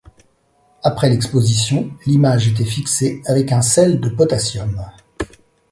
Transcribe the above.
Après l’exposition, l’image était fixée avec un sel de potassium.